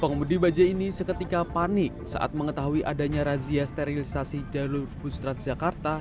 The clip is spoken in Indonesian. pengemudi baje ini seketika panik saat mengetahui adanya razia sterilisasi jalur bustat jakarta